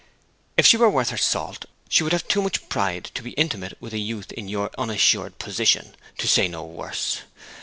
If she were worth her salt she would have too much pride to be intimate with a youth in your unassured position, to say no worse.